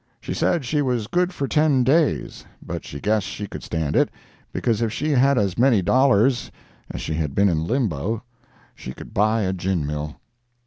She said she was good for ten days, but she guessed she could stand it, because if she had as many dollars as she had been in limbo she could buy a gin mill.